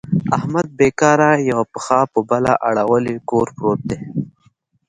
احمد بېکاره یوه پښه په بله اړولې کور پورت دی.